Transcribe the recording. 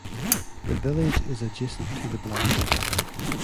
The village is adjacent to the Black River.